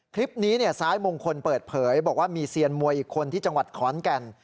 คลิปนี้ซ้ายมงคลเปิดเผยบอกว่ามีเซียนมวยอีกคนที่จังหวัดขอนแก่น